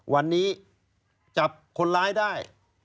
วันนี้จับคนร้ายได้